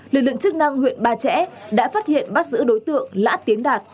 lực lượng chức năng huyện ba trẻ đã phát hiện bắt giữ đối tượng lã tiến đạt